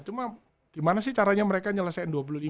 cuma gimana sih caranya mereka nyelesaikan dua puluh lima